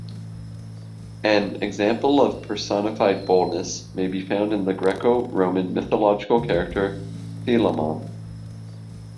An example of personified boldness may be found in the Greco-Roman mythological character Philemon.